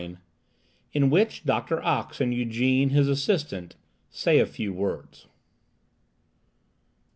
IN WHICH DOCTOR OX AND YGÈNE, HIS ASSISTANT, SAY A FEW WORDS.